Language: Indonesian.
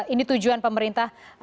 ini tujuan pemerintah